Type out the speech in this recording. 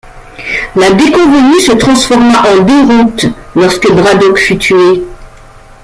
La déconvenue se transforma en déroute lorsque Braddock fut tué.